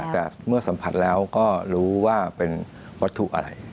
แต่เมื่อสัมผัสแล้วก็รู้ว่าเป็นวัตถุอะไร